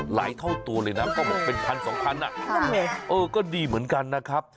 หลายเท่าตัวเลยนะเขาบอกเป็นพันสองพันอะเออก็ดีเหมือนกันนะครับ